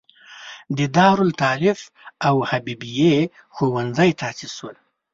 د دارالتالیف او حبیبې ښوونځی تاسیس شول.